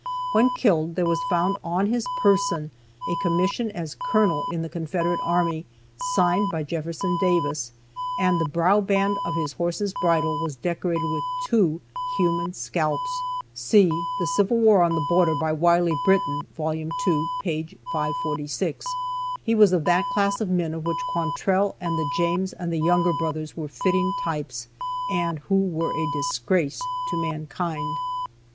When killed there was found on his person a commission as Colonel in the Confederate army, signed by Jefferson Davis, and the brow band of his horse's bridle was decorated with two human scalps. (See "The Civil War on the Border," by Wiley Britton, Vol. 2, p. 546.) He was of that class of men of which Quantrell and the James and the Younger boys were fitting types, and who were a disgrace to mankind.